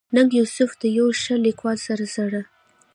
ننګ يوسفزۍ د يو ښه ليکوال سره سره